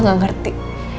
mbak gak ngerti